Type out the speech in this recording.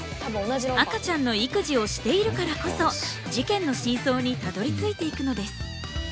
赤ちゃんの育児をしているからこそ事件の真相にたどりついていくのです。